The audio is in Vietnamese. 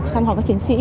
thăm họ các chiến sĩ